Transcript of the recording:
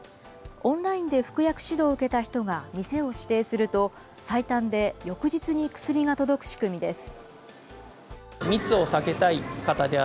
オンラインで服薬指導を受けた人が店を指定すると、最短で翌日に薬が届く仕組みです。